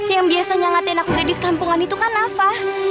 yang biasanya ngatain aku gadis kampungan itu kan nafa